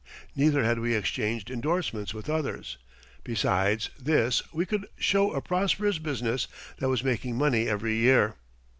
Neither had we exchanged endorsements with others. Besides this we could show a prosperous business that was making money every year.